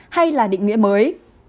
hay là định nghĩa mới